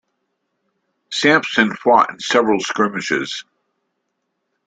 Sampson fought in several skirmishes.